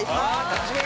楽しみ！